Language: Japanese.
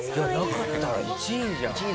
なかったら１位じゃん。